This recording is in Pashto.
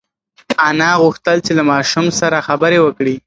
انا غوښتل چې له ماشوم سره خبرې وکړي.